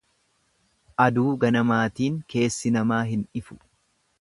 Aduu ganamaatiin keessi namaa hin ifu.